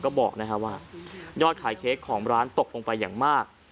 ก็บอกว่ายอดขายเค้กของร้านตกลงไปอย่างมาก